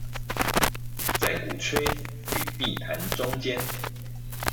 在鼓吹與避談中間